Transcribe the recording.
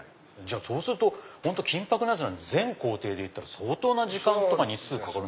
そうすると金箔なんていったら全工程でいったら相当な時間とか日数かかる。